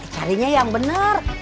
carinya yang bener